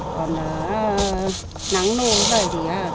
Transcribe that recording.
còn là nắng nôn dậy thì